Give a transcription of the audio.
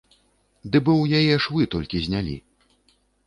Ды бо ў яе швы толькі знялі!